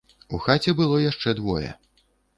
У хаце было яшчэ двое.